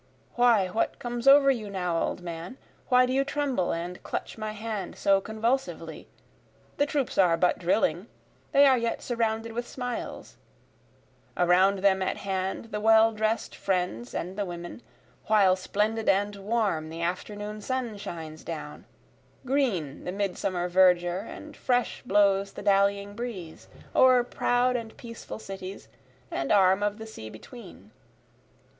Why what comes over you now old man? Why do you tremble and clutch my hand so convulsively? The troops are but drilling, they are yet surrounded with smiles, Around them at hand the well drest friends and the women, While splendid and warm the afternoon sun shines down, Green the midsummer verdure and fresh blows the dallying breeze, O'er proud and peaceful cities and arm of the sea between.